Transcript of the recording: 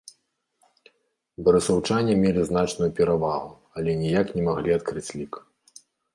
Барысаўчане мелі значную перавагу, але ніяк не маглі адкрыць лік.